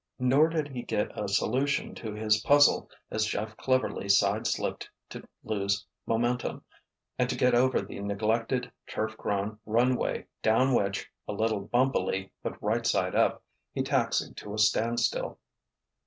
Nor did he get a solution to his puzzle as Jeff cleverly side slipped to lose momentum, and to get over the neglected, turf grown runway down which, a little bumpily but right side up, he taxied to a standstill.